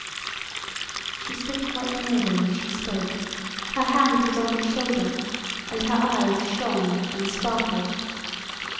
She stood quite near him as she spoke, her hand was on his shoulder, and her eyes shone and sparkled.